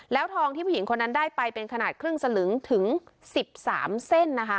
แล้วทองที่ผู้หญิงคนนั้นได้ไปเป็นขนาดครึ่งสลึงถึง๑๓เส้นนะคะ